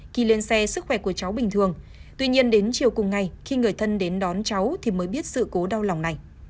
khi lên xe sức khỏe của cháu bình thường tuy nhiên đến chiều cùng ngày khi người thân đến đón cháu thì mới biết sự cố đau lòng này